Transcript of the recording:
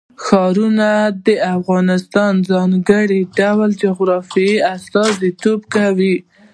ښارونه د افغانستان د ځانګړي ډول جغرافیه استازیتوب کوي.